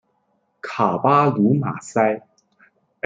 卡巴卢马塞。